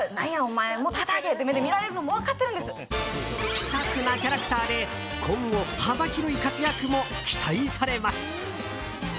気さくなキャラクターで今後、幅広い活躍も期待されます。